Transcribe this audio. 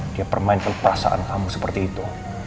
dia permain keperasaan kamu seperti itu